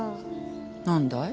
何だい？